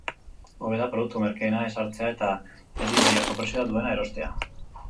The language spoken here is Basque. Hobe da produktu merkeena ez hartzea eta erdi mailako prezioa duena erostea.